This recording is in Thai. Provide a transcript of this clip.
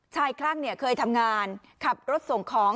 ชายคลั่งเนี่ยเคยทำงานขับรถส่งของ